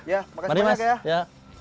ya makasih banyak ya